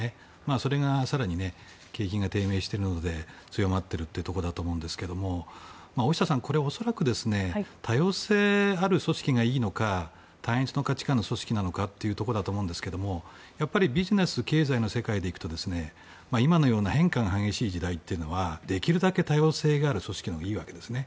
それが更に景気が低迷しているので強まっているということだと思うんですが大下さん、これは恐らく多様性ある組織がいいのか単一の価値観の組織なのかというところだと思うんですけどやっぱりビジネス経済の世界で行くと今のような変化が激しい社会ではできるだけ多様性がある組織のほうがいいわけですね。